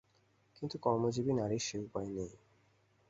কিন্তু কর্মজীবী নারীর সে উপায় নেই।